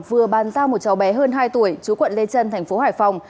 vừa bàn giao một cháu bé hơn hai tuổi chú quận lê trân thành phố hải phòng